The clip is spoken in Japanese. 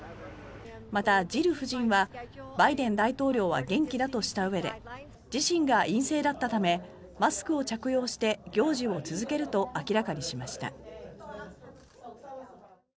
また、ジル夫人はバイデン大統領は元気だとしたうえで自身が陰性だったためマスクを着用して行事を続けると明らかにしました。